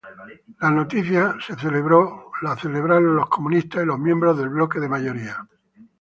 La noticia fue celebrada por comunistas y miembros del bloque de mayoría.